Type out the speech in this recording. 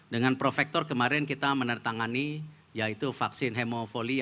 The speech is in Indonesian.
dengan prof vector kemarin kita menertangani yaitu vaksin hemovoli